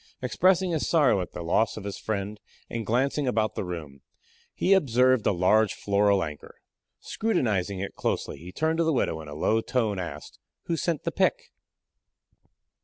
Expressing his sorrow at the loss of his friend, and glancing about the room, he observed a large floral anchor. Scrutinizing it closely, he turned to the widow and in a low tone asked, 'Who sent the pick?'"